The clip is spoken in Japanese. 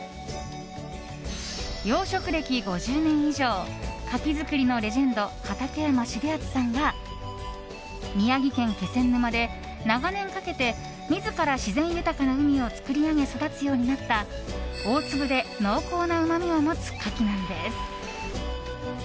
養殖歴５０年以上カキ作りのレジェンド畠山重篤さんが宮城県気仙沼で長年かけて自ら自然豊かな海を作り上げ育つようになった大粒で濃厚なうまみを持つカキなんです。